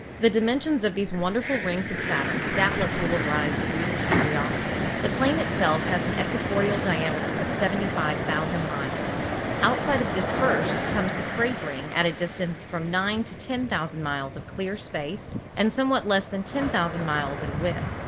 The dimensions of these wonderful rings of Saturn doubtless will arouse the reader's curiosity. The planet itself has an equatorial diameter of 75,000 miles. Out side of this first comes the crape ring at a distance of from nine to ten thousand miles of clear space, and somewhat less than 10,000 miles in width.